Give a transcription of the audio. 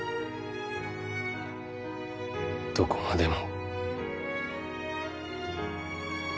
どこまでも。